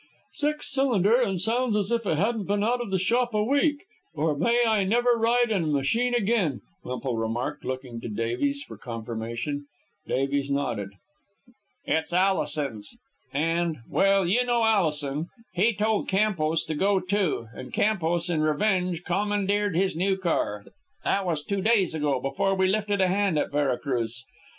"Six cylinder, and sounds as if it hadn't been out of the shop a week, or may I never ride in a machine again," Wemple remarked, looking to Davies for confirmation. Davies nodded. "It's Allison's," he said. "Campos tried to shake him down for a private loan, and well, you know Allison. He told Campos to go to. And Campos, in revenge, commandeered his new car. That was two days ago, before we lifted a hand at Vera Cruz.